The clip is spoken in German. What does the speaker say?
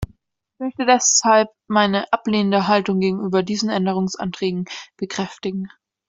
Ich möchte deshalb meine ablehnende Haltung gegenüber diesen Änderungsanträgen bekräftigen.